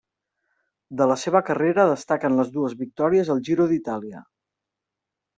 De la seva carrera destaquen les dues victòries al Giro d'Itàlia.